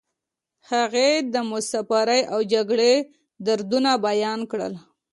هغې د مسافرۍ او جګړې دردونه بیان کړل